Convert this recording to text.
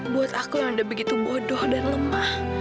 buat aku yang udah begitu bodoh dan lemah